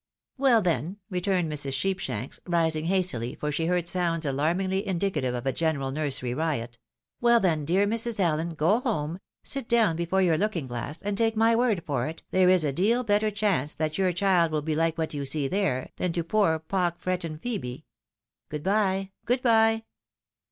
" Well then," returned Mrs. Sheepshanks, rising hastily, for she heard sounds alarmingly indicative of a general nursery riot, —" well then, dear Mrs. AUen, go home, sit down before your looking glass, and take my word for it, there is a deal better chance that your child will be hke what you see there, than to poor pook fretten Phebe. Good bye, good bye."